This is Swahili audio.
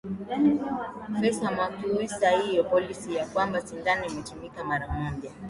fesa mwakiusa hiyo policy ya kwamba sindano itumike mara moja